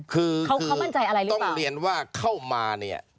คือคือต้องเรียนว่าเข้ามาเนี่ย